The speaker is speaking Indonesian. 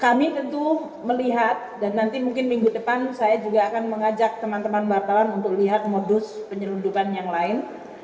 kami tentu melihat dan nanti mungkin minggu depan saya juga akan mengajak teman teman wartawan untuk lihat modus penyelundupan yang lain